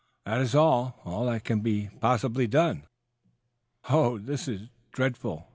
That is all all that can possibly be done." "Oh, this is dreadful!"